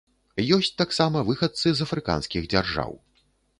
Ёсць таксама выхадцы з афрыканскіх дзяржаў.